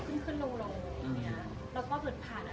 คือเส้นทางความรักของชาติเลย